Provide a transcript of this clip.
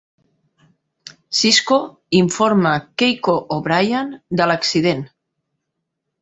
Sisko informa Keiko O'Brien de l'accident.